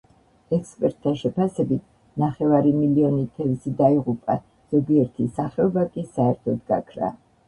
ექსპერტთა შეფასებით ნახევარი მილიონი თევზი დაიღუპა, ზოგიერთი სახეობა კი საერთოდ გაქრა.